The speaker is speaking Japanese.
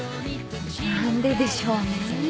何ででしょうね。